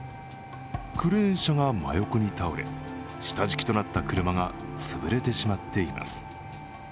クレーン車が真横に倒れ、下敷きとなった車が潰れてしまっています。